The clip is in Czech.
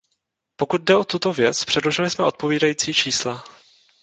Pokud jde o tuto věc, předložili jsme odpovídající čísla.